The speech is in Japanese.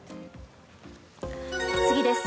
次です。